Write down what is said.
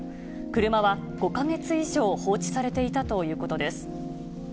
車は５か月以上、放置されていたということです。